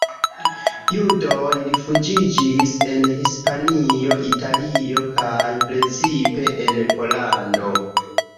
Judoj rifuĝiĝis en Hispanio, Italio kaj precipe en Pollando.